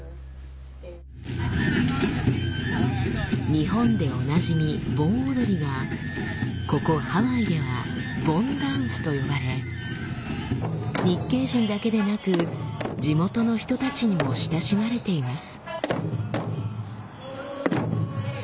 日本でおなじみ「盆踊り」がここハワイでは「盆ダンス」と呼ばれ日系人だけでなく地元の人たちにも親しまれています。